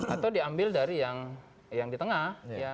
atau diambil dari yang di tengah